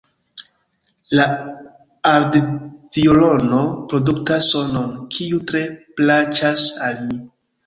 La aldviolono produktas sonon, kiu tre plaĉas al mi.